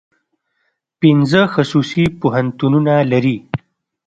پنځه خصوصي پوهنتونونه لري.